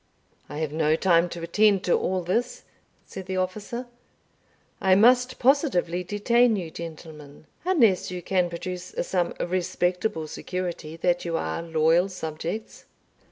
"I have no time to attend to all this," said the officer; "I must positively detain you, gentlemen, unless you can produce some respectable security that you are loyal subjects."